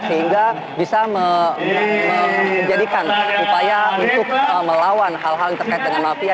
sehingga bisa menjadikan upaya untuk melawan hal hal yang terkait dengan mafia